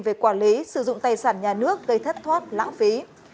về quản lý sử dụng tài sản nhà nước gây thất thoát lãng phí